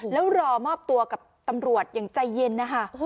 แล้วรอมอบตัวกับตำรวจอย่างใจเย็นนะคะ